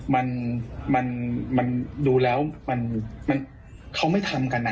มันมันมันมันดูแล้วมันมันเขาไม่ทำกันน่ะอ๋อ